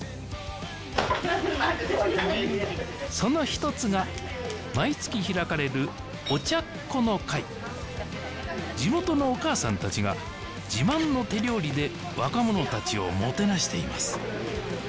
その一つが毎月開かれる「お茶っこの会」地元のお母さんたちが自慢の手料理で若者たちをもてなしています